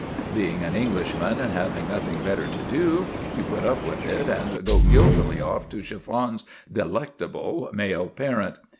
Being an Englishman, and having nothing better to do, you put up with it and go guiltily off to Chiffon's delectable male parent.